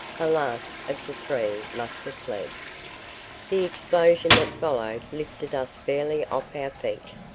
The last of the three must have fled. The explosion that followed lifted us fairly off our feet.